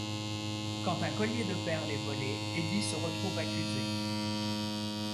Quand un collier de perles est volé, Eddie se retrouve accusé.